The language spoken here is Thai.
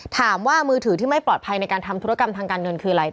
ถามว่ามือถือที่ไม่ปลอดภัยในการทำธุรกรรมทางการเงินคืออะไร